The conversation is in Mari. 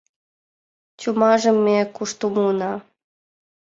Чомажым ме кушто муына?